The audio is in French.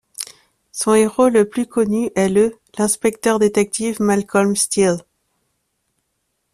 Son héros le plus connu est le l'inspecteur détective Malcolm Steele.